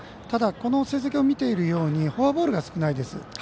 ただ、この成績を見て分かるようにフォアボールが少ないです。